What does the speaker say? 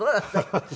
ハハハハ。